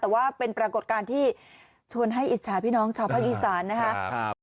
แต่ว่าเป็นปรากฏการณ์ที่ชวนให้อิจฉาพี่น้องชาวภาคอีสานนะครับ